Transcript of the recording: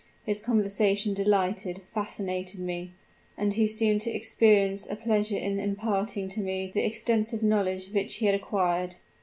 His conversation delighted, fascinated me; and he seemed to experience a pleasure in imparting to me the extensive knowledge which he had acquired.